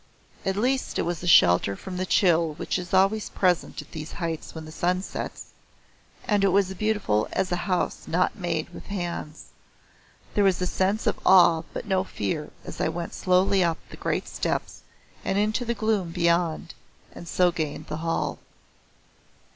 At least it was shelter from the chill which is always present at these heights when the sun sets, and it was beautiful as a house not made with hands. There was a sense of awe but no fear as I went slowly up the great steps and into the gloom beyond and so gained the hall.